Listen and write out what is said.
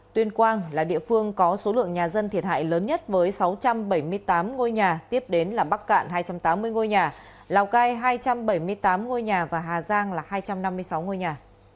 tuyên quang là địa phương có số lượng nhà dân thiệt hại lớn nhất với sáu trăm bảy mươi tám ngôi nhà tiếp đến là bắc cạn hai trăm tám mươi ngôi nhà lào cai hai trăm bảy mươi tám ngôi nhà và hà giang là hai trăm năm mươi sáu ngôi nhà